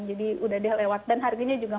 jadi udah deh lewat dan harganya juga